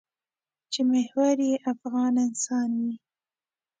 چې محور یې افغان انسان وي.